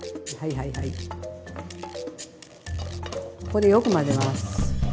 ここでよく混ぜます。